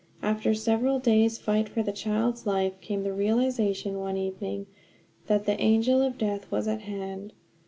After several days' fight for the child's life came the realization, one evening, that the angel of death was at hand.